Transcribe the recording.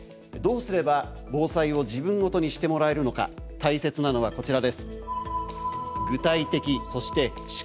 どうすれば防災を自分ごとにしてもらえるのか大切なのはこちらです。